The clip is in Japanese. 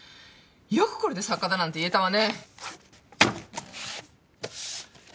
よくこれで作家だなんて言えたわね。